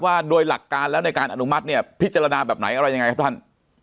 ว่าโดยหลักการแล้วในการอนุมัติเนี่ยพิจารณาแบบไหนอะไรยังไงครับท่าน